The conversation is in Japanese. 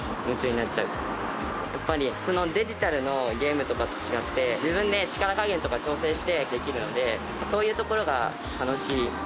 やっぱり普通のデジタルのゲームとかと違って自分で力加減とか調整してできるのでそういうところが楽しい。